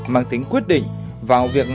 mang tính quyết định vào việc